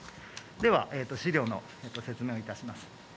では資料のご説明をいたします。